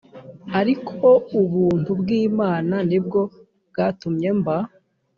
ariko ubuntu bw imana ni bwo bwatumye mba